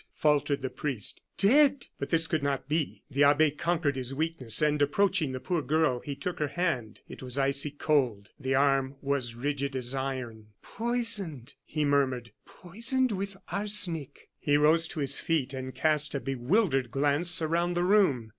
faltered the priest, "dead!" But this could not be. The abbe conquered his weakness, and approaching the poor girl, he took her hand. It was icy cold; the arm was rigid as iron. "Poisoned!" he murmured; "poisoned with arsenic." He rose to his feet, and cast a bewildered glance around the room.